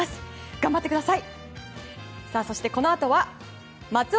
頑張ってください！